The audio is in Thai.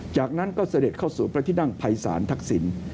จากนั้นก็เสด็จเข้าสู่พระที่นั่งภัยศาลทักษิณ